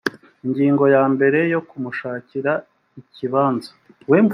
ingingo ya mbere yo kumushakira ikibanza